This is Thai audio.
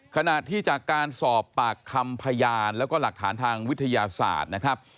ขณะที่จากการสอบปากคำพยานและหลักฐานทางวิทยาศาสตร์